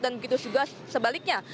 dan begitu juga sebaliknya